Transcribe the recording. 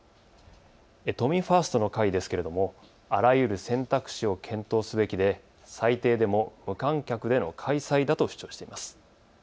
都民ファーストの会ですけれどもあらゆる選択肢を検討すべきで最低でも無観客での開催だと主張しています。